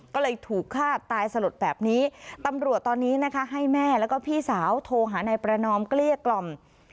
ก็เลยถูกฆ่าตายสลดแบบนี้ตำรวจตอนนี้นะคะให้แม่แล้วก็พี่สาวโทรหานายประนอมเกลี้ยกล่อม